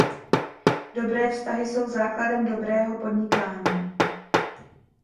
Dobré vztahy jsou základem dobrého podnikání.